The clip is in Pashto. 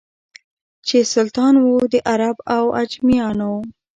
چي سلطان وو د عرب او عجمیانو